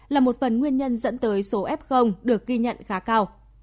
là một phần nguyên nhân dẫn tới số f được ghi nhận khá cao